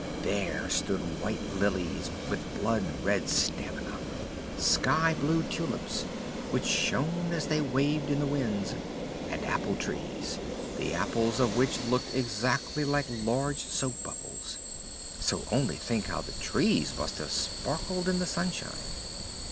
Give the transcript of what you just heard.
There stood white lilies with blood red stamina, skyblue tulips, which shone as they waved in the winds, and apple trees, the apples of which looked exactly like large soapbubbles: so only think how the trees must have sparkled in the sunshine!